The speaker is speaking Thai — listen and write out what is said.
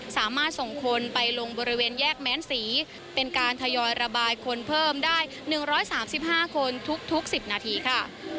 สามารถส่งคนไปลงบริเวณแยกแม้นศรีเป็นการทยอยระบายคนเพิ่มได้๑๓๕คนทุก๑๐นาทีค่ะ